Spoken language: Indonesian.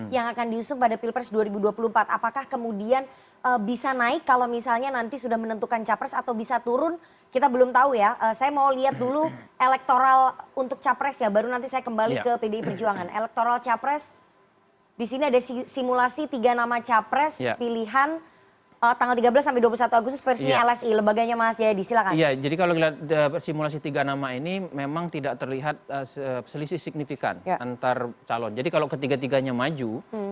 jadi kalau ketiga tiganya maju